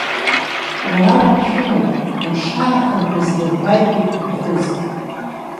Уара уаԥшәымоуп, ушаахынҳәыз дырба, – иҳәеит Буҭхәуз.